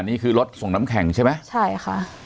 นี่คือรถส่งน้ำแข็งใช่ไหมใช่ค่ะ